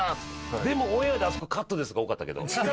「でもオンエアではあそこカットです」が多かったけど。